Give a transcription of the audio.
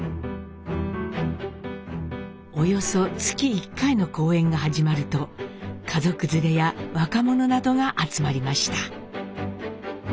およそ月１回の公演が始まると家族連れや若者などが集まりました。